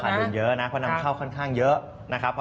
เดินเยอะนะเพราะนำเข้าค่อนข้างเยอะนะครับ